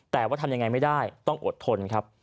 แต่ว่าทำยังไงไม่ได้ต้องอดทนครับ